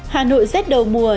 hà nội rét đầu mùa